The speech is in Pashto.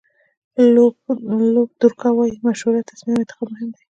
لوپ دورکا وایي مشوره، تصمیم او انتخاب مهم دي.